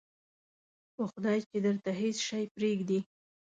په خدای چې درته هېڅ شی پرېږدي.